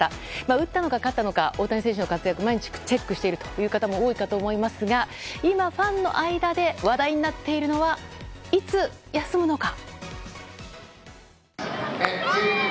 打ったのか、勝ったのか大谷選手の活躍毎日チェックしているという方も多いと思いますが今、ファンの間で話題になっているのはいつ休むのか。